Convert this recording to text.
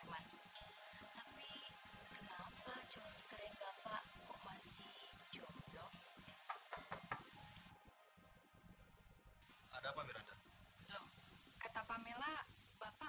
harus pisahkan diri terhadap karyawan baru